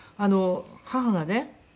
母がね